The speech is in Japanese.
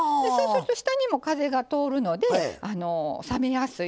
下にも風が通るので冷めやすい。